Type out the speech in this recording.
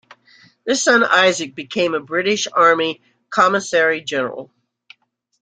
Their son Isaac became a British army commissary-general.